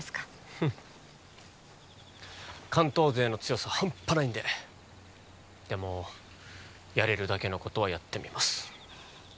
フッ関東勢の強さハンパないんででもやれるだけのことはやってみます